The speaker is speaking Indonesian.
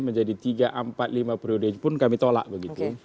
menjadi tiga empat lima periode pun kami tolak begitu